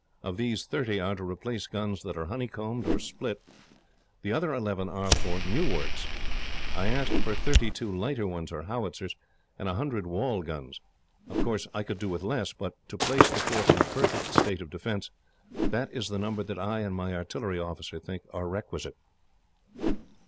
Of these, thirty are to replace guns that are honeycombed, or split. The other eleven are for new works. I asked for thirty two lighter ones, or howitzers, and a hundred wall guns. Of course I could do with less; but to place the fort in a perfect state of defence, that is the number that I and my artillery officer think are requisite.